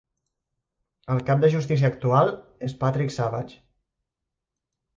El cap de justícia actual és Patrick Savage.